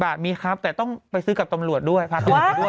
๘๐บาทมีครับแต่ต้องไปซื้อกับตำรวจนะครับแต่ต้องไปซื้อกับตำรวจนะครับ